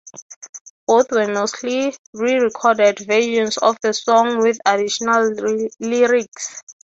Both were mostly re-recorded versions of the song with additional lyrics.